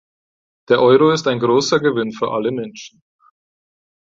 Der Euro ist ein großer Gewinn für alle Menschen.